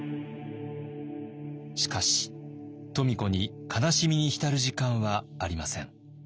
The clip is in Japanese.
しかし富子に悲しみに浸る時間はありません。